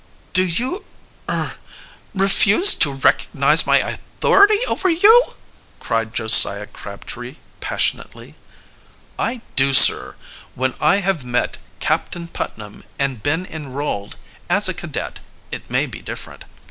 "Do you er refuse to recognize my authority over you?" cried Josiah Crabtree passionately. "I do, sir. When I have met Captain Putnam and been enrolled as a cadet it may be different.